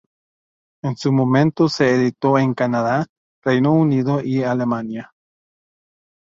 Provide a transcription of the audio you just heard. En su momento se editó en Canadá, Reino Unido y Alemania.